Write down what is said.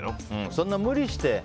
そんな無理して。